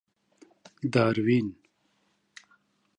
داروېن.